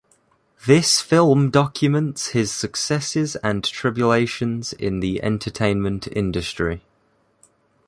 This film documents his successes and tribulations in the entertainment industry.